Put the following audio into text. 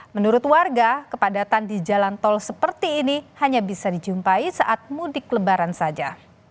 menurut warga kepadatan di jalan tol seperti ini hanya bisa dijumpai saat mudik lebaran saja